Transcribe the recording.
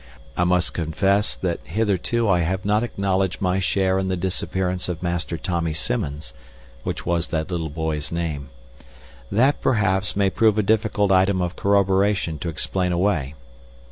I must confess that hitherto I have not acknowledged my share in the disappearance of Master Tommy Simmons, which was that little boy's name. That, perhaps, may prove a difficult item of corroboration to explain away.